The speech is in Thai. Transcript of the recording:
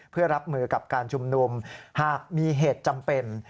เพื่อรับมือกับการชุมนุมหากมีเหตุจำเป็น